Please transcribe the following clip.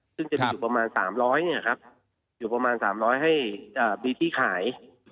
ซึ่งจะมีอยู่ประมาณ๓๐๐ให้มีที่ขาย